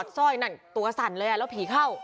สร้อยนั่นตัวสั่นเลยแล้วผีเข้า